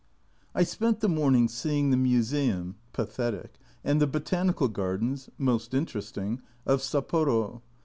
I spent the morning seeing the Museum (pathetic) and the Botanical Gardens (most interesting) of Sapporo.